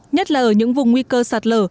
nhất là ở những vùng nguy cơ sạt lở